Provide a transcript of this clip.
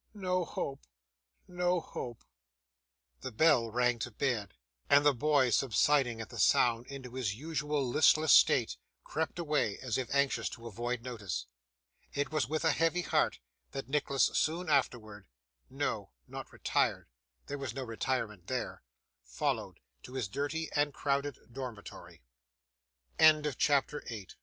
No hope, no hope!' The bell rang to bed: and the boy, subsiding at the sound into his usual listless state, crept away as if anxious to avoid notice. It was with a heavy heart that Nicholas soon afterwards no, not retired; there was no retirement there followed to his